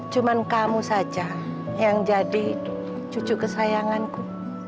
cuma kamu saja yang jadi cucu kesayanganku